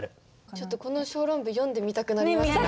ちょっとこの小論文読んでみたくなりますね。